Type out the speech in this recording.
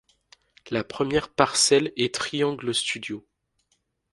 La première parcelle est le Triangle Studios.